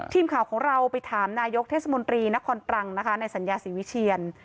ทีมข่าวของเราไปถามนายกเทศมนตรีนครตรังนะคะในสัญญาศรีวิเชียน